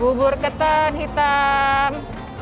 bubur ketan hitam